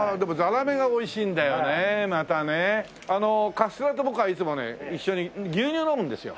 カステラって僕はいつもね一緒に牛乳を飲むんですよ。